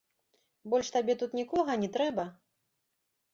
Больш табе тут нікога не трэба?